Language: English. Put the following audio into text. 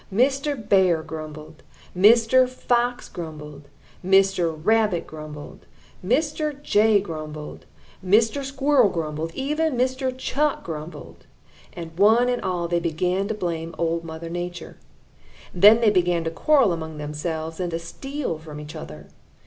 Mr. Bear grumbled. Mr. Fox grumbled. Mr. Rabbit grumbled. Mr. Jay grumbled. Mr. Squirrel grumbled. Even Mr. Chuck grumbled. And one and all they began to blame Old Mother Nature. Then they began to quarrel among themselves and to steal from each other.